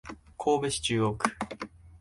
神戸市中央区